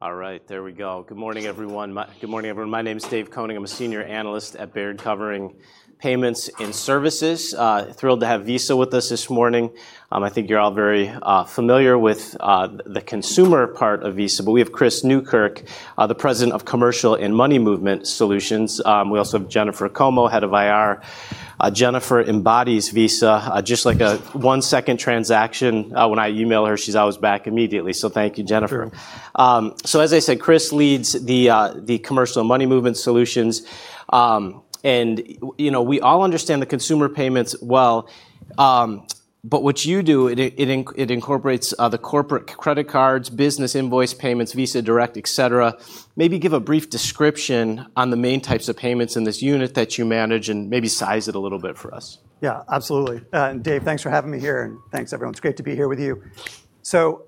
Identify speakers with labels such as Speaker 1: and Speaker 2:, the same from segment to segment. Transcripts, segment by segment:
Speaker 1: All right, there we go. Good morning, everyone. My name is David Koning. I'm a senior analyst at Baird covering payments and services. Thrilled to have Visa with us this morning. I think you're all very familiar with the consumer part of Visa, but we have Chris Newkirk, the President of Commercial and Money Movement Solutions. We also have Jennifer Como, Head of IR. Jennifer embodies Visa, just like a one-second transaction. When I email her, she's always back immediately. Thank you, Jennifer. As I said, Chris leads the Commercial and Money Movement Solutions. We all understand the consumer payments well, but what you do, it incorporates the corporate credit cards, business invoice payments, Visa Direct, et cetera. Maybe give a brief description on the main types of payments in this unit that you manage and maybe size it a little bit for us.
Speaker 2: Yeah, absolutely. Dave, thanks for having me here, and thanks, everyone. It's great to be here with you.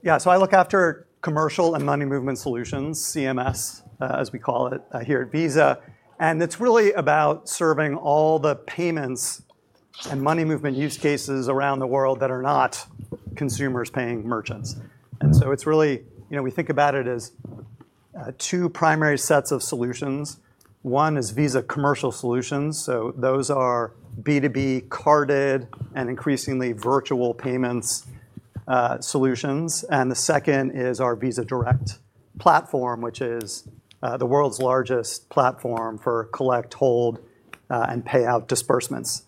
Speaker 2: Yeah, I look after Commercial and Money Movement Solutions, CMS, as we call it here at Visa, and it's really about serving all the payments and money movement use cases around the world that are not consumers paying merchants. We think about it as two primary sets of solutions. One is Visa Commercial Solutions. Those are B2B carded and increasingly virtual payments solutions. The second is our Visa Direct platform, which is the world's largest platform for collect, hold, and payout disbursements.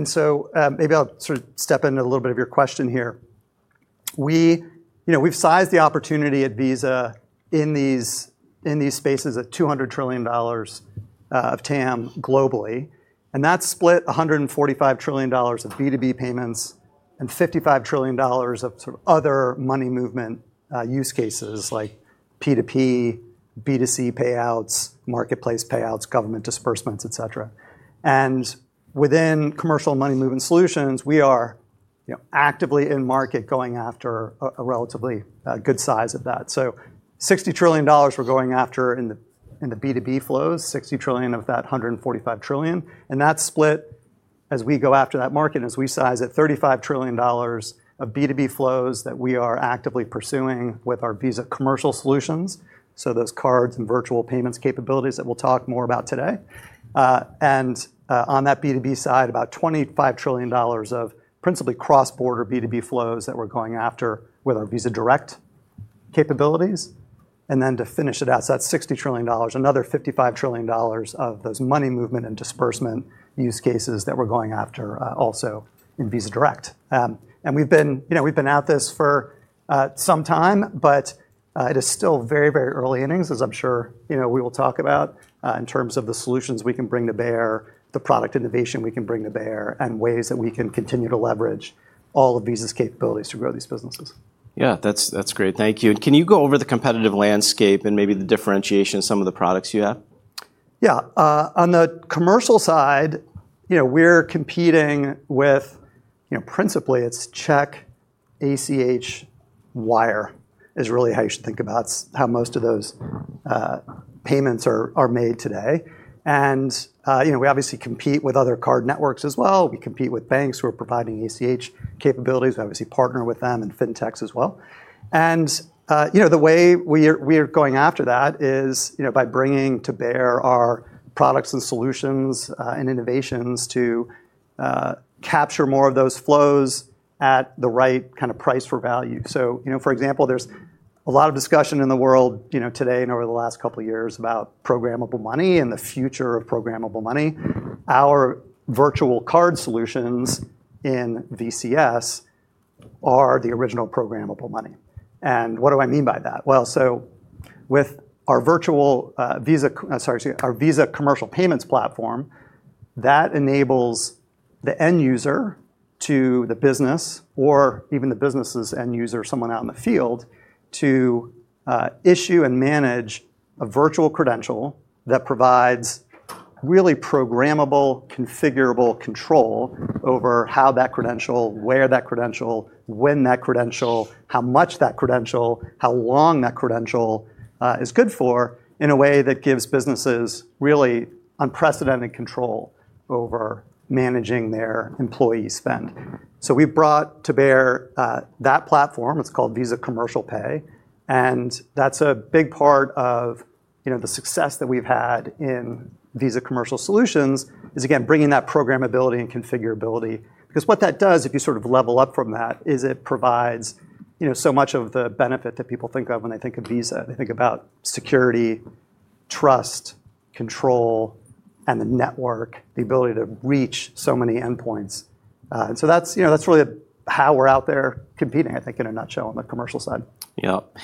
Speaker 2: Maybe I'll sort of step into a little bit of your question here. We've sized the opportunity at Visa in these spaces at $200 trillion of TAM globally, that's split $145 trillion of B2B payments and $55 trillion of sort of other money movement use cases like P2P, B2C payouts, marketplace payouts, government disbursements, et cetera. Within Commercial Money Movement Solutions, we are actively in market going after a relatively good size of that. $60 trillion we're going after in the B2B flows, $60 trillion of that $145 trillion, that's split as we go after that market, as we size it, $35 trillion of B2B flows that we are actively pursuing with our Visa Commercial Solutions, so those cards and virtual payments capabilities that we'll talk more about today. On that B2B side, about $25 trillion of principally cross-border B2B flows that we're going after with our Visa Direct capabilities. Then to finish it out, that's $60 trillion, another $55 trillion of those money movement and disbursement use cases that we're going after, also in Visa Direct. We've been at this for some time, but it is still very early innings, as I'm sure we will talk about in terms of the solutions we can bring to bear, the product innovation we can bring to bear, and ways that we can continue to leverage all of Visa's capabilities to grow these businesses.
Speaker 1: Yeah, that's great. Thank you. Can you go over the competitive landscape and maybe the differentiation of some of the products you have?
Speaker 2: Yeah. On the commercial side, we're competing with, principally it's check, ACH, wire is really how you should think about how most of those payments are made today. We obviously compete with other card networks as well. We compete with banks who are providing ACH capabilities. We obviously partner with them and fintechs as well. The way we are going after that is by bringing to bear our products and solutions, and innovations to capture more of those flows at the right kind of price for value. For example, there's a lot of discussion in the world today and over the last couple of years about programmable money and the future of programmable money. Our virtual card solutions in VCS are the original programmable money. What do I mean by that? With our Visa commercial payments platform, that enables the end user to the business or even the business's end user, someone out in the field, to issue and manage a virtual credential that provides really programmable, configurable control over how that credential, where that credential, when that credential, how much that credential, how long that credential is good for in a way that gives businesses really unprecedented control over managing their employee spend. We've brought to bear that platform. It's called Visa Commercial Pay, and that's a big part of the success that we've had in Visa Commercial Solutions is, again, bringing that programmability and configurability. What that does, if you sort of level up from that, is it provides so much of the benefit that people think of when they think of Visa. They think about security, trust, control, and the network, the ability to reach so many endpoints. That's really how we're out there competing, I think, in a nutshell, on the commercial side.
Speaker 1: Yep.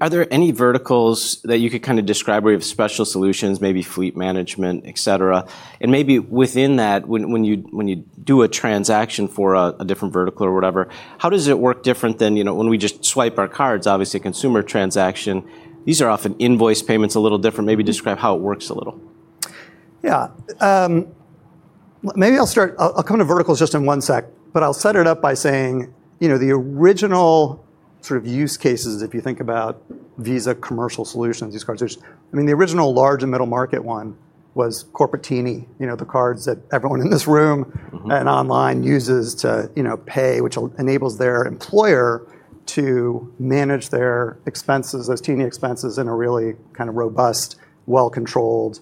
Speaker 1: Are there any verticals that you could kind of describe where you have special solutions, maybe fleet management, et cetera? Maybe within that, when you do a transaction for a different vertical or whatever, how does it work different than when we just swipe our cards, obviously, a consumer transaction? These are often invoice payments a little different. Maybe describe how it works a little.
Speaker 2: Yeah. Maybe I'll start, I'll come to verticals just in one sec, but I'll set it up by saying the original sort of use cases, if you think about Visa Commercial Solutions, these cards, I mean, the original large and middle market one was corporate T&E, the cards that everyone in this room. and online uses to pay, which enables their employer to manage their expenses, those T&E expenses, in a really robust, well-controlled,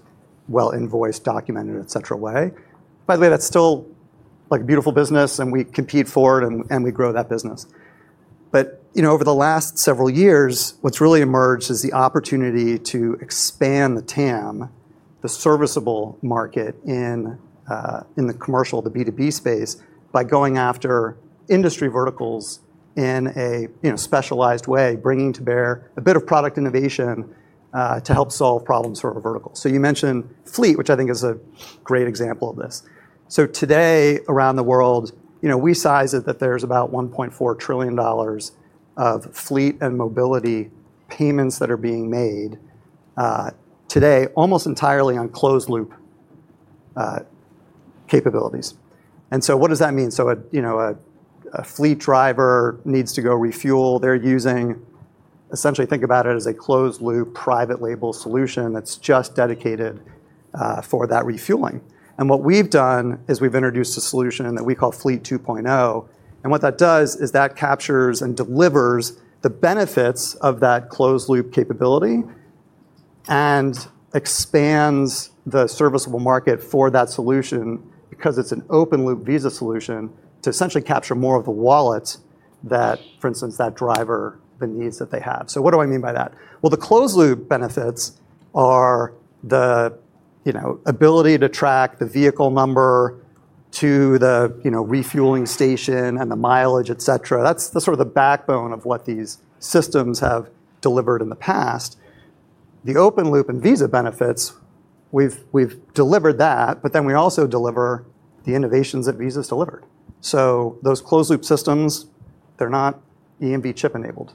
Speaker 2: well-invoiced, documented, et cetera, way. By the way, that's still a beautiful business and we compete for it, and we grow that business. Over the last several years, what's really emerged is the opportunity to expand the TAM, the serviceable market in the commercial, the B2B space, by going after industry verticals in a specialized way, bringing to bear a bit of product innovation to help solve problems for our verticals. You mentioned fleet, which I think is a great example of this. Today, around the world, we size it that there's about $1.4 trillion of fleet and mobility payments that are being made today almost entirely on closed-loop capabilities. What does that mean? A fleet driver needs to go refuel, they're using, essentially think about it as a closed-loop private label solution that's just dedicated for that refueling. What we've done is we've introduced a solution that we call Fleet 2.0, and what that does is that captures and delivers the benefits of that closed-loop capability and expands the serviceable market for that solution because it's an open-loop Visa solution to essentially capture more of the wallet that, for instance, that driver, the needs that they have. What do I mean by that? The closed-loop benefits are the ability to track the vehicle number to the refueling station and the mileage, et cetera. That's the backbone of what these systems have delivered in the past. The open-loop and Visa benefits, we've delivered that, we also deliver the innovations that Visa's delivered. Those closed-loop systems, they're not EMV chip enabled.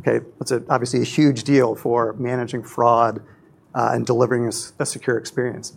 Speaker 2: Okay. That's obviously a huge deal for managing fraud, and delivering a secure experience.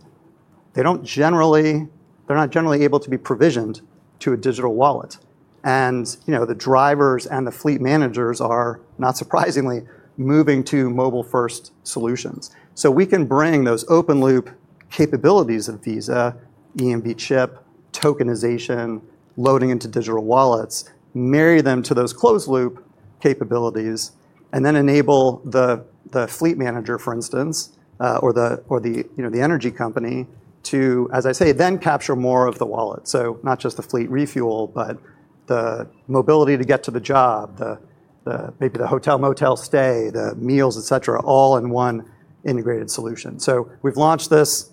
Speaker 2: They're not generally able to be provisioned to a digital wallet. The drivers and the fleet managers are, not surprisingly, moving to mobile-first solutions. We can bring those open-loop capabilities of Visa, EMV chip, tokenization, loading into digital wallets, marry them to those closed-loop capabilities, and then enable the fleet manager, for instance, or the energy company to, as I say, then capture more of the wallet. Not just the fleet refuel, but the mobility to get to the job, maybe the hotel, motel stay, the meals, et cetera, all in one integrated solution. We've launched this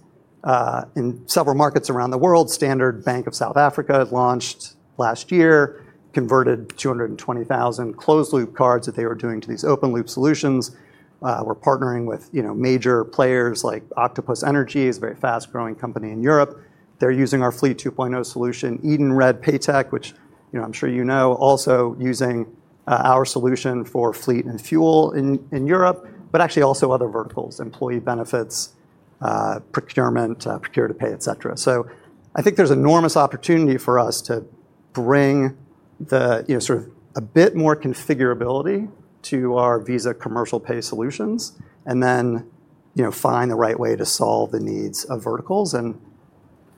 Speaker 2: in several markets around the world. Standard Bank of South Africa launched last year, converted 220,000 closed-loop cards that they were doing to these open-loop solutions. We're partnering with major players like Octopus Energy. It's a very fast-growing company in Europe. They're using our Fleet 2.0 solution. Edenred PayTech, which I'm sure you know, also using our solution for fleet and fuel in Europe, actually also other verticals, employee benefits, procurement, procure to pay, et cetera. I think there's enormous opportunity for us to bring a bit more configurability to our Visa Commercial Pay solutions and then find the right way to solve the needs of verticals and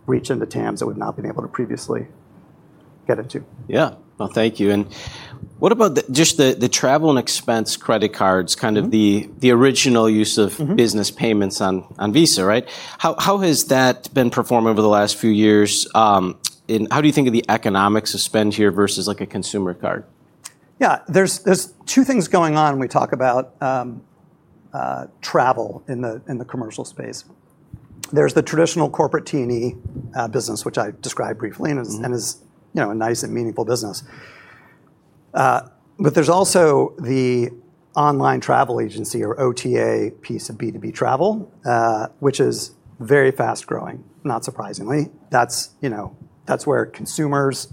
Speaker 2: reach into TAMs that we've not been able to previously get into.
Speaker 1: Yeah. Well, thank you. What about just the travel and expense credit cards? Kind of the original use of business payments on Visa, right? How has that been performing over the last few years? How do you think of the economics of spend here versus a consumer card?
Speaker 2: Yeah. There's two things going on when we talk about travel in the commercial space. There's the traditional corporate T&E business, which I described briefly, and is a nice and meaningful business. There's also the online travel agency or OTA piece of B2B travel, which is very fast-growing, not surprisingly. That's where consumers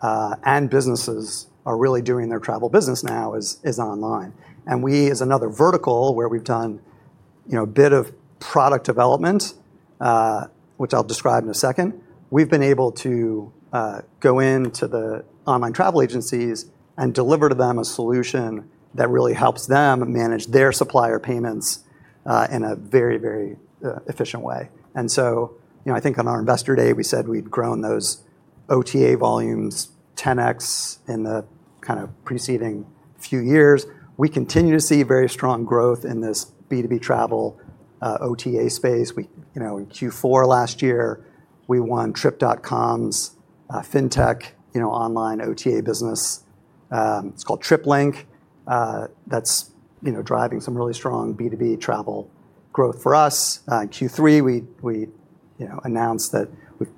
Speaker 2: and businesses are really doing their travel business now is online. We, as another vertical where we've done a bit of product development, which I'll describe in a second, we've been able to go into the online travel agencies and deliver to them a solution that really helps them manage their supplier payments in a very efficient way. I think on our Investor Day, we said we'd grown those OTA volumes 10x in the preceding few years. We continue to see very strong growth in this B2B travel OTA space. In Q4 last year, we won Trip.com's fintech online OTA business. It's called TripLink. That's driving some really strong B2B travel growth for us. In Q3, we announced that we've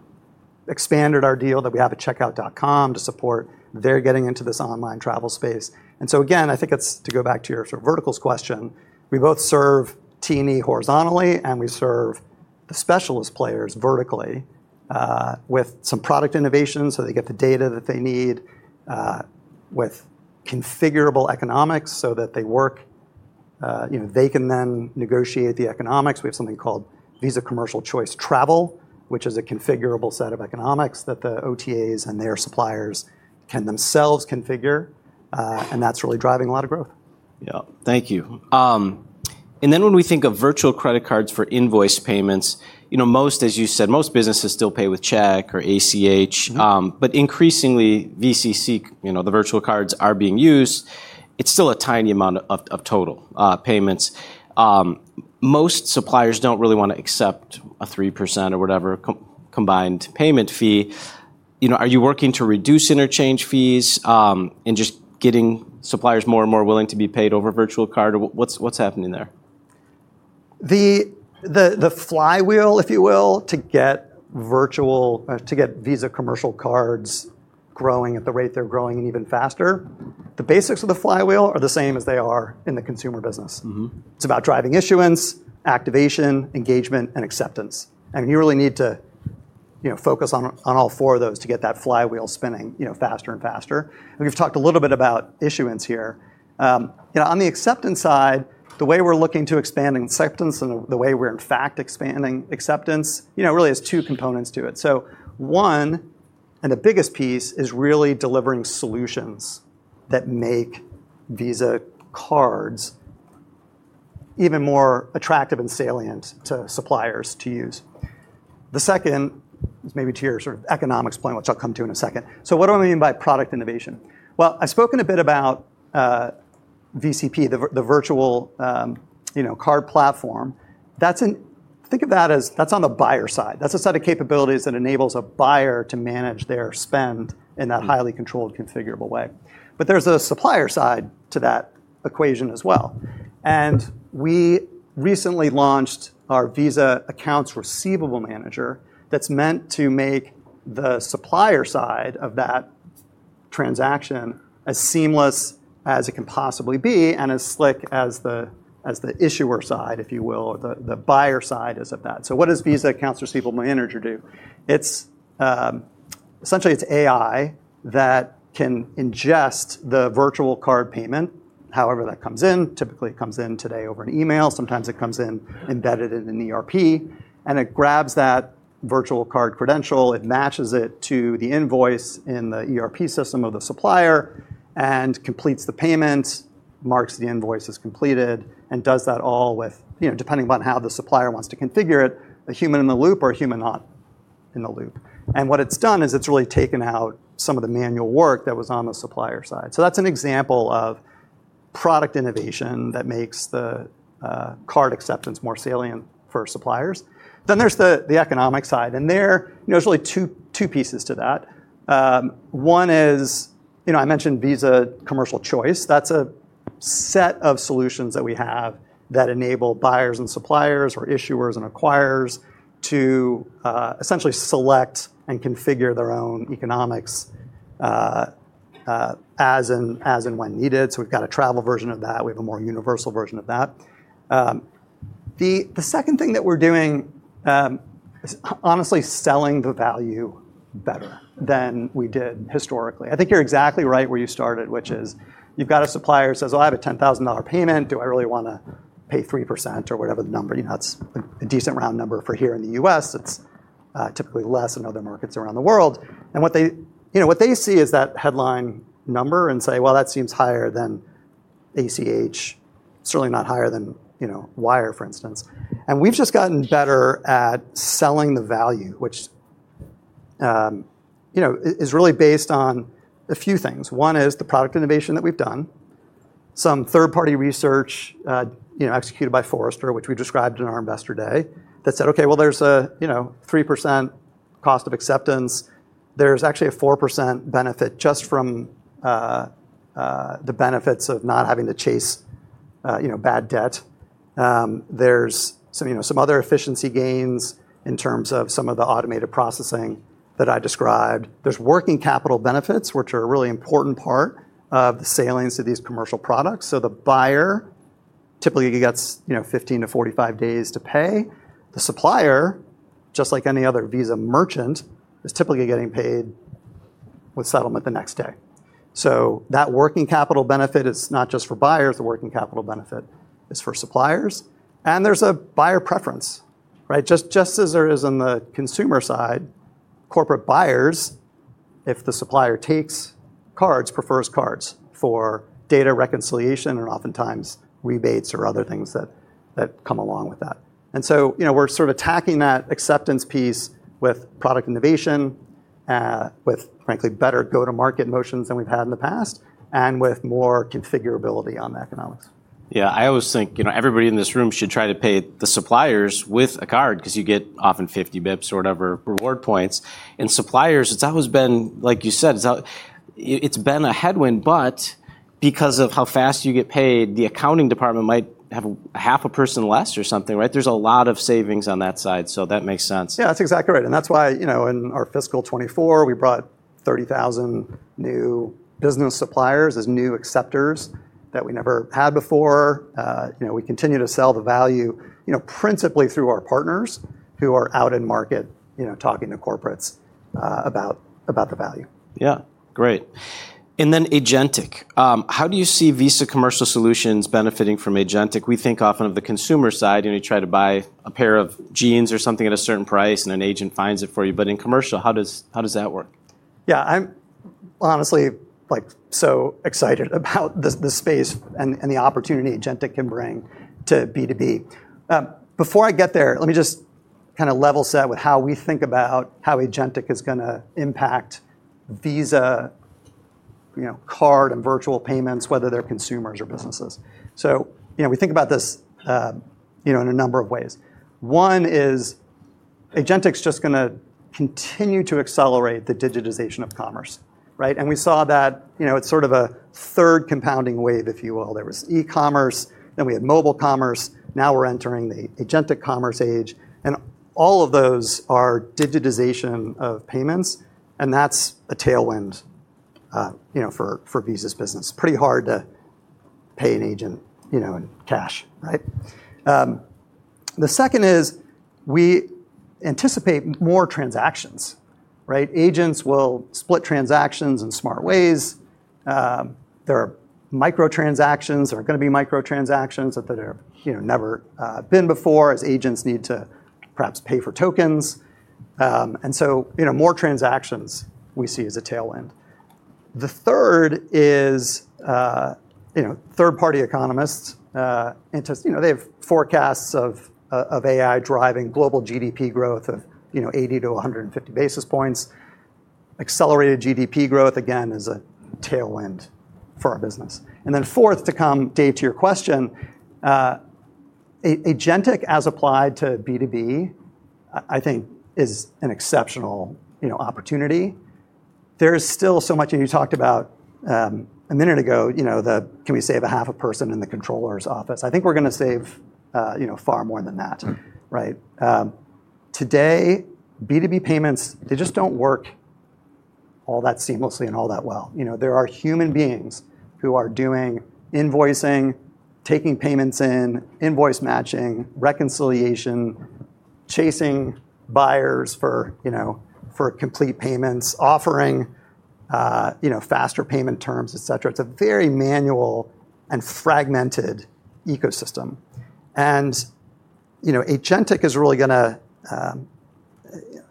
Speaker 2: expanded our deal that we have at Checkout.com to support their getting into this online travel space. Again, I think it's, to go back to your verticals question, we both serve T&E horizontally, and we serve the specialist players vertically, with some product innovation so they get the data that they need, with configurable economics so that they work, they can then negotiate the economics. We have something called Visa Commercial Choice Travel, which is a configurable set of economics that the OTAs and their suppliers can themselves configure. That's really driving a lot of growth.
Speaker 1: Yeah. Thank you. When we think of virtual credit cards for invoice payments, most, as you said, most businesses still pay with check or ACH. Increasingly, VCC, the virtual cards are being used. It's still a tiny amount of total payments. Most suppliers don't really want to accept a 3% or whatever combined payment fee. Are you working to reduce interchange fees, and just getting suppliers more and more willing to be paid over virtual card, or what's happening there?
Speaker 2: The flywheel, if you will, to get Visa commercial cards growing at the rate they're growing and even faster, the basics of the flywheel are the same as they are in the consumer business. It's about driving issuance, activation, engagement, and acceptance. You really need to focus on all four of those to get that flywheel spinning faster and faster. We've talked a little bit about issuance here. On the acceptance side, the way we're looking to expand acceptance and the way we're in fact expanding acceptance, really has two components to it. One, and the biggest piece, is really delivering solutions that make Visa cards even more attractive and salient to suppliers to use. The second is maybe to your sort of economics point, which I'll come to in a second. What do I mean by product innovation? Well, I've spoken a bit about VCP, the virtual card platform. Think of that as that's on the buyer side. That's a set of capabilities that enables a buyer to manage their spend in a highly controlled, configurable way. There's a supplier side to that equation as well. We recently launched our Visa Accounts Receivable Manager that's meant to make the supplier side of that transaction as seamless as it can possibly be and as slick as the issuer side, if you will, or the buyer side as of that. What does Visa Accounts Receivable Manager do? Essentially, it's AI that can ingest the virtual card payment, however that comes in. Typically, it comes in today over an email. Sometimes it comes in embedded in an ERP. It grabs that virtual card credential, it matches it to the invoice in the ERP system of the supplier and completes the payment, marks the invoice as completed, and does that all with, depending upon how the supplier wants to configure it, a human in the loop or a human not in the loop. What it's done is it's really taken out some of the manual work that was on the supplier side. That's an example of product innovation that makes the card acceptance more salient for suppliers. There's the economic side, and there's really two pieces to that. One is, I mentioned Visa Commercial Choice. That's a set of solutions that we have that enable buyers and suppliers or issuers and acquirers to essentially select and configure their own economics as and when needed. We've got a travel version of that. We have a more universal version of that. The second thing that we're doing is honestly selling the value better than we did historically. I think you're exactly right where you started, which is you've got a supplier who says, Well, I have a $10,000 payment. Do I really want to pay 3%? or whatever the number. That's a decent round number for here in the U.S. It's typically less in other markets around the world. What they see is that headline number and say, Well, that seems higher than ACH. Certainly not higher than wire, for instance. We've just gotten better at selling the value, which is really based on a few things. One is the product innovation that we've done. Some third-party research executed by Forrester, which we described in our Investor Day, that said, Okay. Well, there's a 3% cost of acceptance. There's actually a 4% benefit just from the benefits of not having to chase bad debt. There's some other efficiency gains in terms of some of the automated processing that I described. There's working capital benefits, which are a really important part of the salience of these commercial products. The buyer typically gets 15-45 days to pay. The supplier, just like any other Visa merchant, is typically getting paid with settlement the next day. That working capital benefit is not just for buyers, the working capital benefit is for suppliers. There's a buyer preference, right? Just as there is on the consumer side, corporate buyers, if the supplier takes cards, prefers cards for data reconciliation or oftentimes rebates or other things that come along with that. We're sort of tacking that acceptance piece with product innovation, with frankly better go-to-market motions than we've had in the past, and with more configurability on the economics.
Speaker 1: Yeah, I always think everybody in this room should try to pay the suppliers with a card because you get often 50 basis points or whatever reward points. Suppliers, it's always been, like you said, it's been a headwind, but because of how fast you get paid, the accounting department might have a half a person less or something, right? There's a lot of savings on that side, that makes sense.
Speaker 2: That's exactly right, and that's why in our fiscal 2024, we brought 30,000 new business suppliers as new acceptors that we never had before. We continue to sell the value principally through our partners who are out in market talking to corporates about the value.
Speaker 1: Yeah. Great. Agentic. How do you see Visa Commercial Solutions benefiting from agentic? We think often of the consumer side, you try to buy a pair of jeans or something at a certain price, and an agent finds it for you. In commercial, how does that work?
Speaker 2: Yeah, I'm honestly so excited about the space and the opportunity agentic can bring to B2B. Before I get there, let me just level set with how we think about how agentic is going to impact Visa card and virtual payments, whether they're consumers or businesses. We think about this in a number of ways. One is agentic is just going to continue to accelerate the digitization of commerce. Right? We saw that it's sort of a third compounding wave, if you will. There was e-commerce, then we had mobile commerce, now we're entering the agentic commerce age, and all of those are digitization of payments, and that's a tailwind for Visa's business. Pretty hard to pay an agent in cash, right? The second is we anticipate more transactions. Right? Agents will split transactions in smart ways. There are microtransactions. There are going to be microtransactions that there have never been before as agents need to perhaps pay for tokens. More transactions we see as a tailwind. The third is third-party economists, they have forecasts of AI driving global GDP growth of 80-150 basis points. Accelerated GDP growth, again, is a tailwind for our business. Fourth, to come Dave to your question, agentic as applied to B2B, I think is an exceptional opportunity. There is still so much, you talked about a minute ago, the can we save a half a person in the controller's office? I think we're going to save far more than that. Right? Today, B2B payments, they just don't work all that seamlessly and all that well. There are human beings who are doing invoicing, taking payments in, invoice matching, reconciliation, chasing buyers for complete payments, offering faster payment terms, et cetera. It's a very manual and fragmented ecosystem. Agentic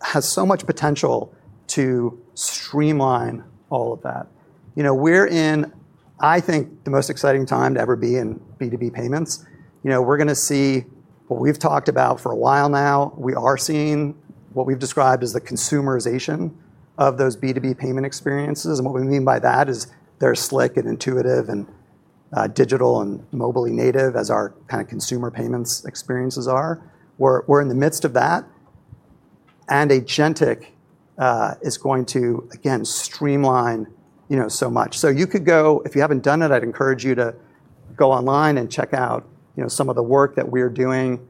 Speaker 2: has so much potential to streamline all of that. We're in, I think, the most exciting time to ever be in B2B payments. We're going to see what we've talked about for a while now. We are seeing what we've described as the consumerization of those B2B payment experiences. What we mean by that is they're slick and intuitive and digital and mobile native as our consumer payments experiences are. We're in the midst of that. Agentic is going to, again, streamline so much. You could go, if you haven't done it, I'd encourage you to go online and check out some of the work that we're doing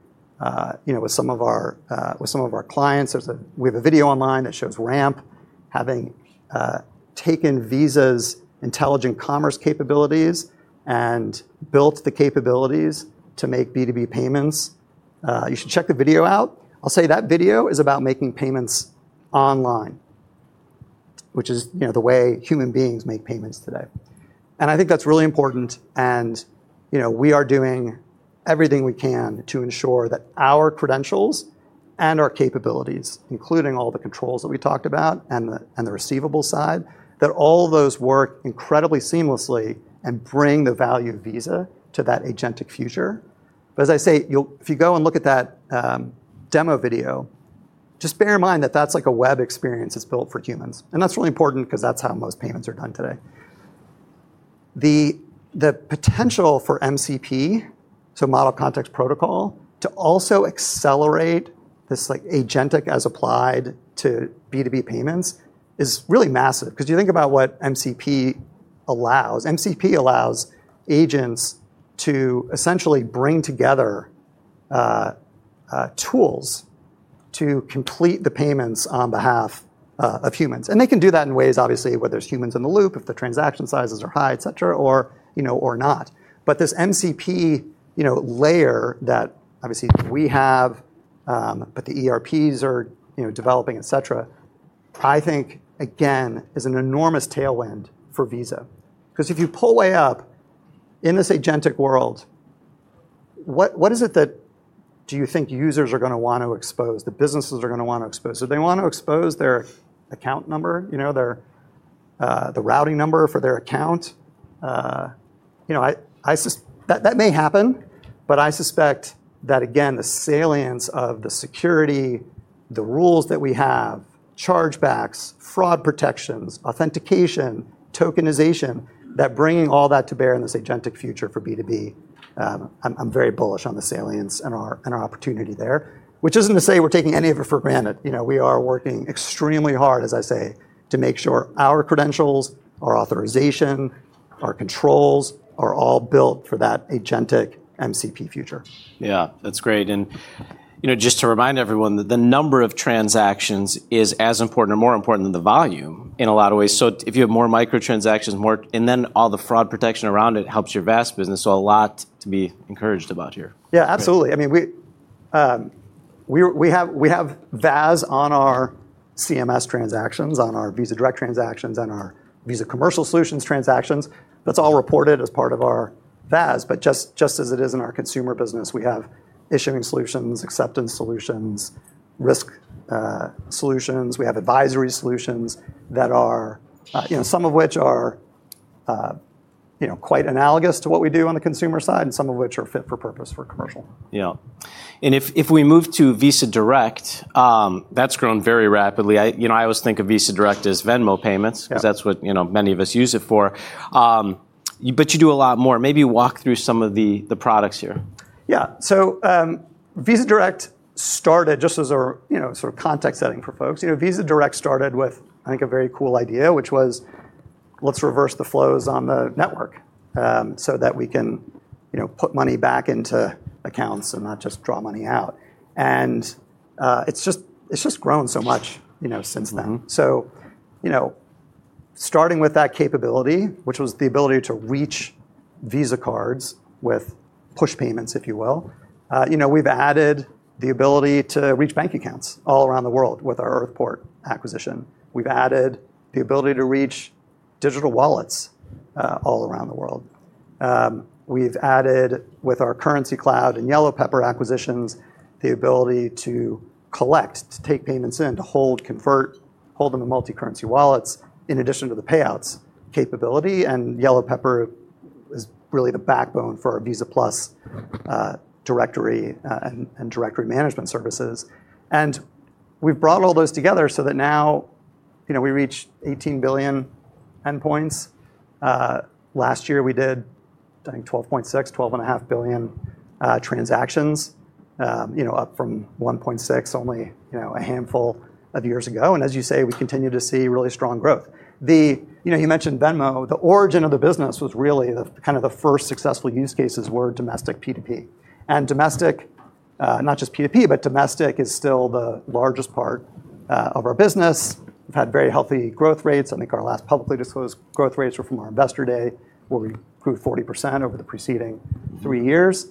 Speaker 2: with some of our clients. We have a video online that shows Ramp having taken Visa's Intelligent Commerce capabilities and built the capabilities to make B2B payments. You should check the video out. I'll say that video is about making payments online, which is the way human beings make payments today. I think that's really important, and we are doing everything we can to ensure that our credentials and our capabilities, including all the controls that we talked about and the receivable side, that all of those work incredibly seamlessly and bring the value of Visa to that agentic future. As I say, if you go and look at that demo video, just bear in mind that that's like a web experience that's built for humans. That's really important because that's how most payments are done today. The potential for MCP, so Model Context Protocol, to also accelerate this agentic as applied to B2B payments is really massive because you think about what MCP allows. MCP allows agents to essentially bring together tools to complete the payments on behalf of humans. They can do that in ways, obviously, whether it's humans in the loop, if the transaction sizes are high, et cetera, or not. This MCP layer that obviously we have, but the ERPs are developing, et cetera, I think again, is an enormous tailwind for Visa. If you pull way up in this agentic world, what is it that do you think users are going to want to expose? The businesses are going to want to expose? Do they want to expose their account number, the routing number for their account? That may happen. I suspect that again, the salience of the security, the rules that we have, chargebacks, fraud protections, authentication, tokenization, that bringing all that to bear in this agentic future for B2B, I'm very bullish on the salience and our opportunity there. Which isn't to say we're taking any of it for granted. We are working extremely hard, as I say, to make sure our credentials, our authorization, our controls are all built for that agentic MCP future.
Speaker 1: Yeah, that's great. Just to remind everyone that the number of transactions is as important or more important than the volume in a lot of ways. If you have more micro transactions, and then all the fraud protection around it helps your VAS business. A lot to be encouraged about here.
Speaker 2: Yeah, absolutely. We have VAS on our CMS transactions, on our Visa Direct transactions, on our Visa Commercial Solutions transactions. That's all reported as part of our VAS, but just as it is in our consumer business, we have issuing solutions, acceptance solutions, risk solutions. We have advisory solutions, some of which are quite analogous to what we do on the consumer side, and some of which are fit for purpose for commercial.
Speaker 1: Yeah. If we move to Visa Direct, that's grown very rapidly. I always think of Visa Direct as Venmo payments-
Speaker 2: Yeah
Speaker 1: because that's what many of us use it for. You do a lot more. Maybe walk through some of the products here.
Speaker 2: Yeah. Visa Direct started just as our sort of context setting for folks. Visa Direct started with, I think, a very cool idea, which was, let's reverse the flows on the network, so that we can put money back into accounts and not just draw money out. It's just grown so much since then. Starting with that capability, which was the ability to reach Visa cards with push payments, if you will, we've added the ability to reach bank accounts all around the world with our Earthport acquisition. We've added the ability to reach digital wallets all around the world. We've added, with our Currencycloud and YellowPepper acquisitions, the ability to collect, to take payments in, to hold, convert, hold them in multicurrency wallets, in addition to the payouts capability, and YellowPepper is really the backbone for our Visa+ directory and directory management services. We've brought all those together so that now, we reach 18 billion endpoints. Last year, we did, I think, 12.6 billion, 12.5 billion transactions, up from 1.6 only a handful of years ago. As you say, we continue to see really strong growth. You mentioned Venmo. The origin of the business was really, kind of the first successful use cases were domestic P2P. Domestic, not just P2P, but domestic is still the largest part of our business. We've had very healthy growth rates. I think our last publicly disclosed growth rates were from our Investor Day, where we grew 40% over the preceding three years.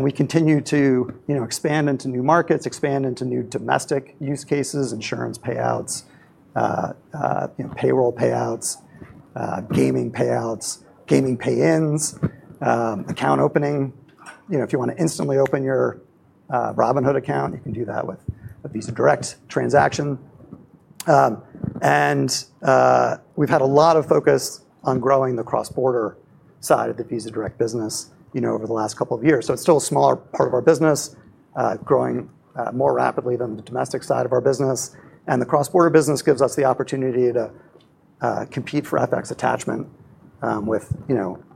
Speaker 2: We continue to expand into new markets, expand into new domestic use cases, insurance payouts, payroll payouts, gaming payouts, gaming pay-ins, account opening. If you want to instantly open your Robinhood account, you can do that with a Visa Direct transaction. We've had a lot of focus on growing the cross-border side of the Visa Direct business over the last couple of years. It's still a smaller part of our business, growing more rapidly than the domestic side of our business. The cross-border business gives us the opportunity to compete for FX attachment, with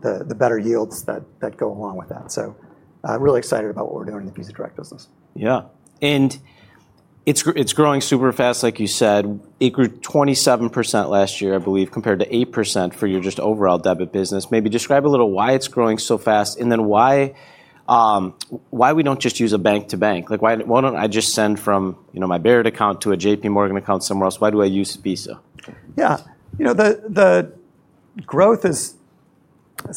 Speaker 2: the better yields that go along with that. Really excited about what we're doing in the Visa Direct business.
Speaker 1: Yeah. It's growing super fast, like you said. It grew 27% last year, I believe, compared to 8% for your just overall debit business. Maybe describe a little why it's growing so fast, then why we don't just use a bank to bank. Why don't I just send from my Baird account to a JPMorgan account somewhere else? Why do I use Visa?
Speaker 2: Yeah. The growth is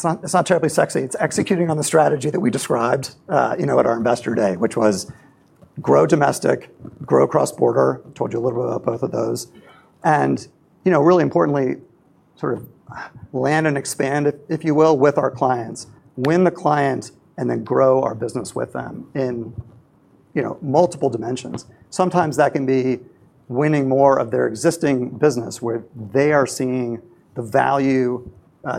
Speaker 2: not terribly sexy. It's executing on the strategy that we described at our Investor Day, which was grow domestic, grow cross-border. I told you a little bit about both of those. Really importantly, sort of land and expand, if you will, with our clients, win the client, and then grow our business with them in multiple dimensions. Sometimes that can be winning more of their existing business, where they are seeing the value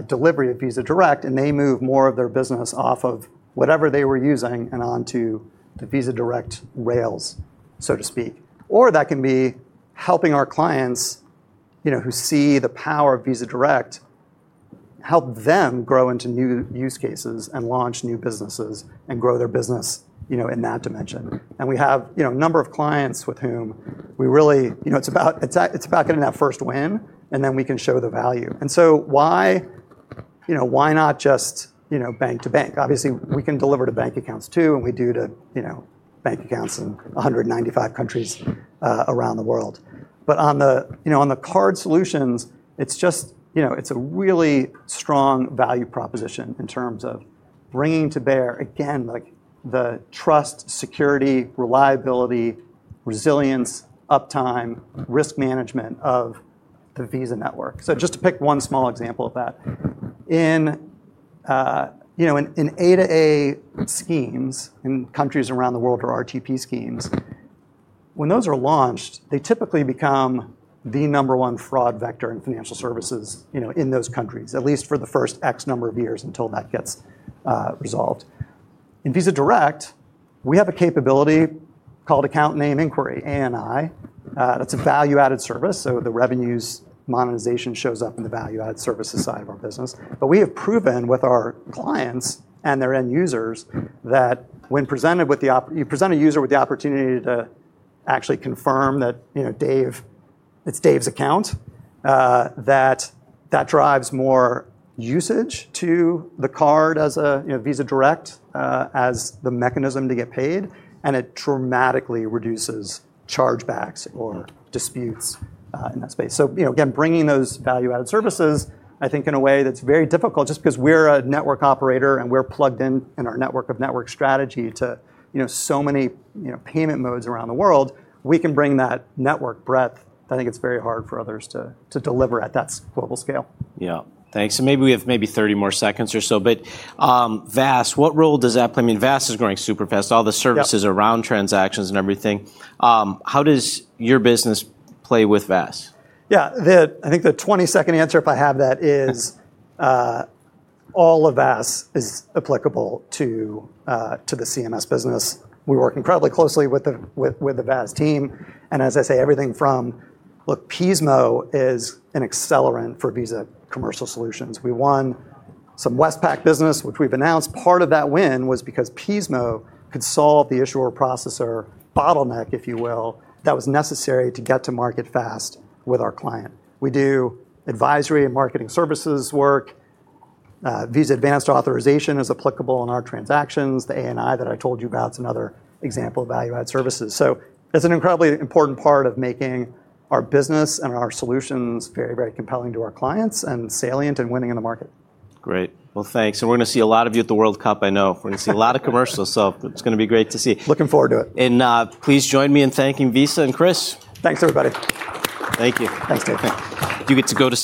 Speaker 2: delivery of Visa Direct, and they move more of their business off of whatever they were using and onto the Visa Direct rails, so to speak. That can be helping our clients who see the power of Visa Direct, help them grow into new use cases and launch new businesses and grow their business in that dimension. We have a number of clients with whom we really, it's about getting that first win, and then we can show the value. Why not just bank to bank? Obviously, we can deliver to bank accounts too, and we do to bank accounts in 195 countries around the world. On the card solutions, it's a really strong value proposition in terms of bringing to bear, again, the trust, security, reliability, resilience, uptime, risk management of the Visa network. Just to pick one small example of that. In A2A schemes in countries around the world or RTP schemes, when those are launched, they typically become the number one fraud vector in financial services in those countries, at least for the first X number of years until that gets resolved. In Visa Direct, we have a capability called Account Name Inquiry, ANI. That's a value-added service, the revenues monetization shows up in the value-added services side of our business. We have proven with our clients and their end users, that when you present a user with the opportunity to actually confirm that it's Dave's account, that drives more usage to the card as a Visa Direct as the mechanism to get paid, and it dramatically reduces chargebacks or disputes in that space. Again, bringing those value-added services, I think in a way that's very difficult just because we're a network operator and we're plugged in in our network of network strategy to so many payment modes around the world. We can bring that network breadth. I think it's very hard for others to deliver at that global scale.
Speaker 1: Yeah. Thanks. Maybe we have 30 more seconds or so, but VAS, what role does that play? I mean, VAS is growing super fast.
Speaker 2: Yep.
Speaker 1: All the services around transactions and everything. How does your business play with VAS?
Speaker 2: I think the 20-second answer, if I have that, is all of VAS is applicable to the CMS business. We work incredibly closely with the VAS team, as I say, everything from, look, Pismo is an accelerant for Visa Commercial Solutions. We won some Westpac business, which we've announced. Part of that win was because Pismo could solve the issuer-processor bottleneck, if you will, that was necessary to get to market fast with our client. We do advisory and marketing services work. Visa Advanced Authorization is applicable in our transactions. The ANI that I told you about is another example of value-added services. It's an incredibly important part of making our business and our solutions very compelling to our clients and salient and winning in the market.
Speaker 1: Great. Well, thanks. We're going to see a lot of you at the World Cup, I know. We're going to see a lot of commercials, it's going to be great to see.
Speaker 2: Looking forward to it.
Speaker 1: Please join me in thanking Visa and Chris.
Speaker 2: Thanks, everybody.
Speaker 1: Thank you.
Speaker 2: Thanks, Dave.
Speaker 1: You get to go to.